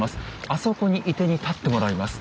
あそこに射手に立ってもらいます。